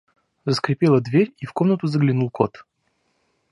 Заскрипела дверь, и в комнату заглянул кот.